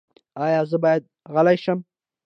ایا زه باید غلی شم؟